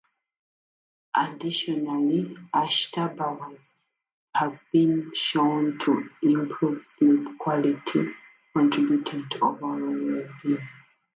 Additionally, Ashitaba has been shown to improve sleep quality, contributing to overall well-being.